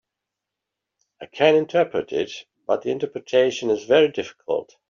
I can interpret it, but the interpretation is very difficult.